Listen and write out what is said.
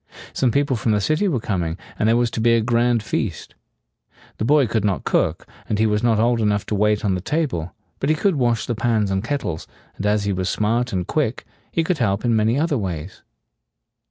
Some people from the city were coming, and there was to be a grand feast. The boy could not cook, and he was not old enough to wait on the table; but he could wash the pans and kettles, and as he was smart and quick, he could help in many other ways.